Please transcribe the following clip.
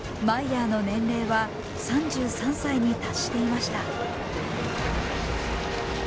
マイヤーの年齢は３３歳に達していました。